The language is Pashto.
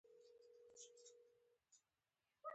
دولت خلک په زور د پنبې کښت ته اړ ایستل.